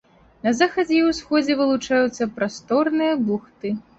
На захадзе і ўсходзе вылучаюцца прасторныя бухты.